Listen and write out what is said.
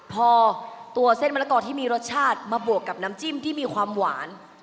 พอตัวเส้นมะละกอที่มีรสชาติมาบวกกับน้ำจิ้มที่มีความหวาน